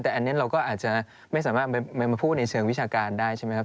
แต่อันนี้เราก็อาจจะไม่สามารถมาพูดในเชิงวิชาการได้ใช่ไหมครับ